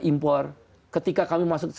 impor ketika kami masuk